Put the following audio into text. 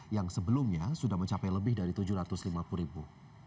yang sebelumnya sudah mencapai lebih dari tujuh ratus lima puluh ribu